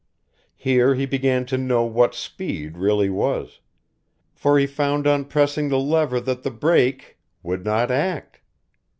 Here he began to know what speed really was, for he found on pressing the lever that the brake would not act.